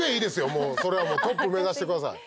もうそれはもうトップ目指してください。